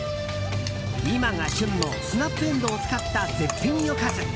今が旬のスナップエンドウを使った絶品おかず。